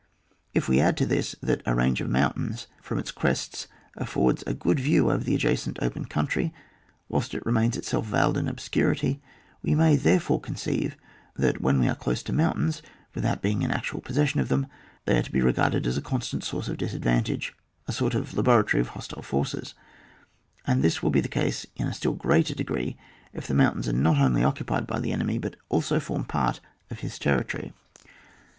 If we add to this that a ridge of mountains from its crests affords a good view over the adjacent open country, whilst it remains itself veiled in obscurity, we may therefore conceive that when we are close to moun tains, without being in actual possession of them, they are to be reg^arded as a constant source of disadvantage — a sort of laboratory of hostile forces ; and this will be the case in a still greater degree if the mountains are not only occupied by the enemy, but also form part of his territory.